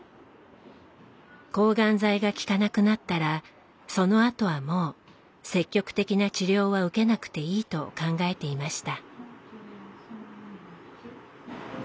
抗がん剤が効かなくなったらそのあとはもう積極的な治療は受けなくていいと考えていました。